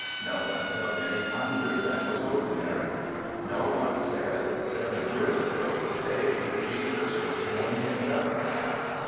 No one felt any kinder than was ordinary. No one said, " Seven years ago today Jesus was born in Bethlehem."